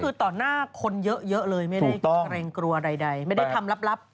คือต่อหน้าคนเยอะเลยไม่ได้เกรงกลัวใดไม่ได้ทำลับ